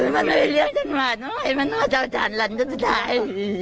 มันไม่เลี้ยงฉันมาให้มันมาเจ้าสลานรันท์สุดท้าย